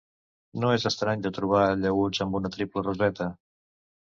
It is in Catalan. No és estrany de trobar llaüts amb una triple roseta.